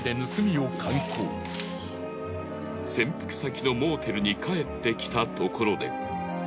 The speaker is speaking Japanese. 潜伏先のモーテルに帰ってきたところで。